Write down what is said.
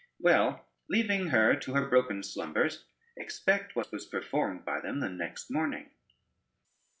Well, leaving her to her broken slumbers, expect what was performed by them the next morning.